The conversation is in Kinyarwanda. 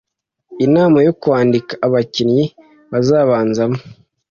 inama yo kwandika abakinnyi bazabanzamo